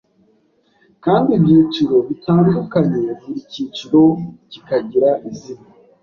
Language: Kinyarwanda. kandi ibyiciro bitandukanye, buri cyiciro kikagira izina.